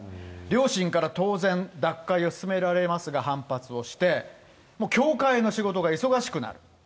両親から当然、脱会を勧められますが反発をして、もう教会の仕事が忙しくなる。